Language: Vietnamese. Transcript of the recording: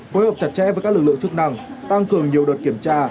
phối hợp chặt chẽ với các lực lượng chức năng tăng cường nhiều đợt kiểm tra